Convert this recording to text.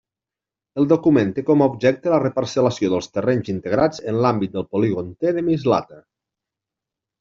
El document té com a objecte la reparcel·lació dels terrenys integrats en l'àmbit del polígon T de Mislata.